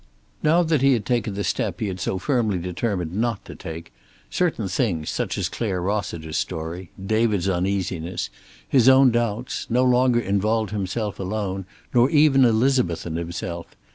Now that he had taken the step he had so firmly determined not to take, certain things, such as Clare Rossiter's story, David's uneasiness, his own doubts, no longer involved himself alone, nor even Elizabeth and himself.